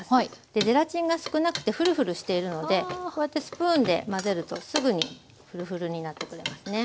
でゼラチンが少なくてフルフルしているのでこうやってスプーンで混ぜるとすぐにフルフルになってくれますね。